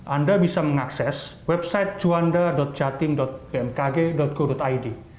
anda bisa mengakses website cuanda jating bmkg go id